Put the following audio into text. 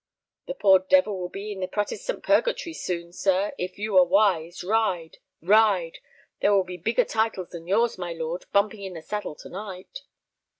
"The poor devil will be in the Protestant purgatory soon, sir. If you are wise, ride—ride. There will be bigger titles than yours, my lord, bumping in the saddle to night."